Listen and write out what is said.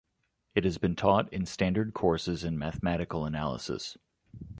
It has been taught in standard courses in mathematical analysis.